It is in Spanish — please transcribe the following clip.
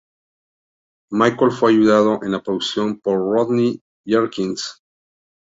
Michael fue ayudado en la producción por Rodney Jerkins.